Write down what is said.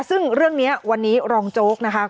ซึ่งเรื่องนี้วันนี้รองโจ๊กนะคะ